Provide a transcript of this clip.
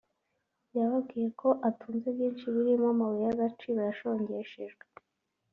yababwiye ko atunze byinshi birimo amabuye y’agaciro yashongeshejwe